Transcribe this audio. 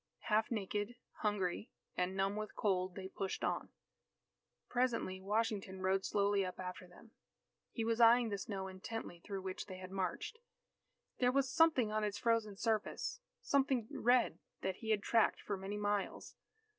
Half naked, hungry, and numb with cold, they pushed on. Presently Washington rode slowly up after them. He was eying the snow intently through which they had marched. There was something on its frozen surface, something red that he had tracked for many miles.